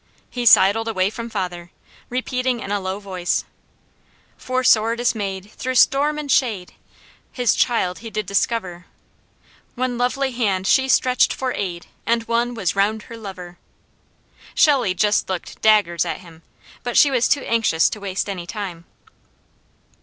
He sidled away from father, repeating in a low voice: "'For sore dismayed, through storm and shade His child he did discover; One lovely hand she stretched for aid, And one was round her lover '" Shelley just looked daggers at him, but she was too anxious to waste any time.